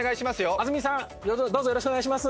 安住さんどうぞよろしくお願いします